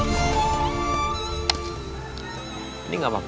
ini kok udah gak apa apa